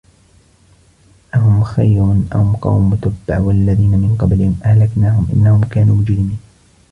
أَهُمْ خَيْرٌ أَمْ قَوْمُ تُبَّعٍ وَالَّذِينَ مِنْ قَبْلِهِمْ أَهْلَكْنَاهُمْ إِنَّهُمْ كَانُوا مُجْرِمِينَ